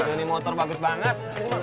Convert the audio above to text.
ini motor bagus banget